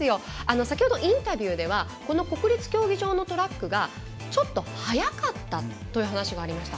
先ほどインタビューではこの国立競技場でのトラックが、ちょっと速かったという話がありました。